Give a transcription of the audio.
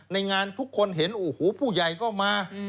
ในงานทุกคนเห็นผู้ใหญ่เข้ามา